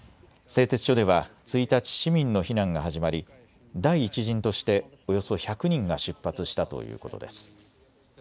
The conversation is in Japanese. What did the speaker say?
製鉄所では１日、市民の避難が始まり第１陣としておよそ１００人が出発したということです。